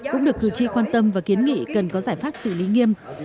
cũng được cử tri quan tâm và kiến nghị cần có giải pháp xử lý nghiêm